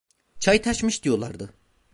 Çay taşmış diyorlardı…